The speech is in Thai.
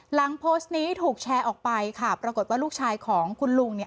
หลังโพสต์นี้ถูกแชร์ออกไปค่ะปรากฏว่าลูกชายของคุณลุงเนี่ย